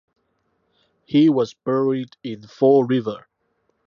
He was buried in Fall River.